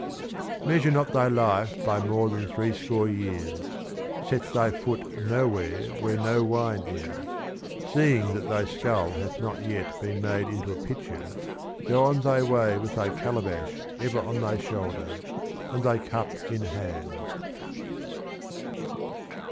(3^1) Measure not thy Life by more than three score years. Set thy Foot nowhere where no Wine is. Seeing that thy Skull hath not yet been made into a Pitcher, go on thy Way with thy Calabash ever on thy Shoulder, and thy Cup in Hand.